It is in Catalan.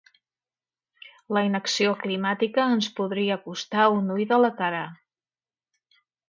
La inacció climàtica ens podria costar un ull de la cara.